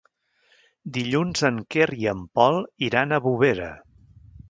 Dilluns en Quer i en Pol iran a Bovera.